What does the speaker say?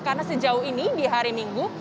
karena sejauh ini di hari minggu